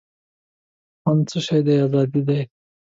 خوند څه شی دی آزادي ده.